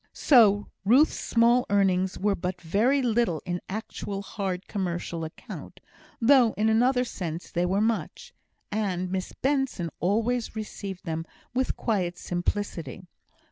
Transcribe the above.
So Ruth's small earnings were but very little in actual hard commercial account, though in another sense they were much; and Miss Benson always received them with quiet simplicity.